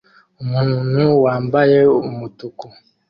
Umuntu wambaye umutuku